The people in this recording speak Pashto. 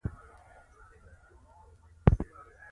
د چاپېریال د تودوخې درجې ناسمتیا یو له تېروتنې عواملو څخه دی.